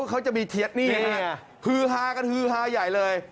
เขาจะมีเทียนนี่ฮือฮากันฮือฮาใหญ่เลย